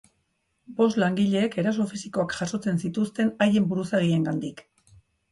Bost langileek eraso fisikoak jasotzen zituzten haien buruzagiengandik.